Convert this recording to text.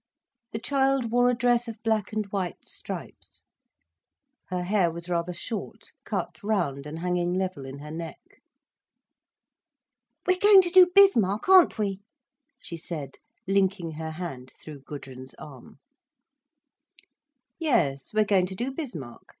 The child wore a dress of black and white stripes. Her hair was rather short, cut round and hanging level in her neck. "We're going to do Bismarck, aren't we?" she said, linking her hand through Gudrun's arm. "Yes, we're going to do Bismarck.